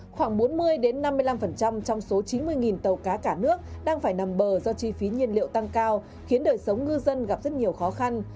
khoảng bốn mươi năm mươi năm trong số chín mươi tàu cá cả nước đang phải nằm bờ do chi phí nhiên liệu tăng cao khiến đời sống ngư dân gặp rất nhiều khó khăn